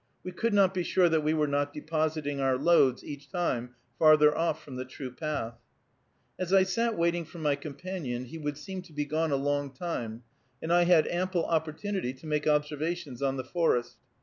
We could not be sure that we were not depositing our loads each time farther off from the true path. As I sat waiting for my companion, he would seem to be gone a long time, and I had ample opportunity to make observations on the forest.